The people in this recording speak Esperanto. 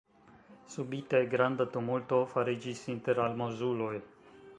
Subite granda tumulto fariĝis inter almozuloj.